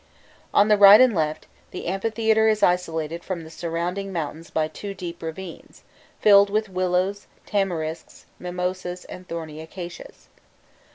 On the right and left, the amphitheatre is isolated from the surrounding mountains by two deep ravines, filled with willows, tamarisks, mimosas, and thorny acacias.